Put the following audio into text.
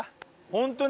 ホントだ。